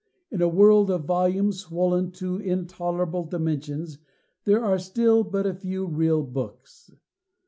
In a world of volumes swollen to intolerable dimensions there are still but a few real books.